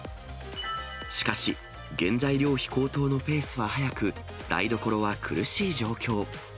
しかし、原材料費高騰のペースは早く、台所は苦しい状況。